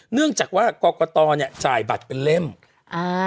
เนื่องจากว่ากรกตเนี้ยจ่ายบัตรเป็นเล่มอ่า